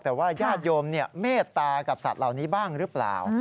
แต่ว่าญาติโยมเมตตากับสัตว์เหล่านี้บ้างหรือเปล่า